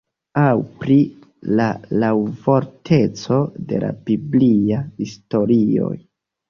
Aŭ pri la laŭvorteco de la bibliaj historioj.